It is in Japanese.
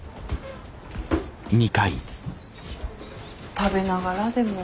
食べながらでも？